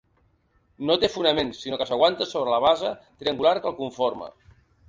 No té fonaments, sinó que s’aguanta sobre la base triangular que el conforma.